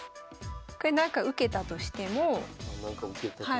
これなんか受けたとしてもはい。